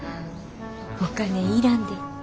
お金要らんで。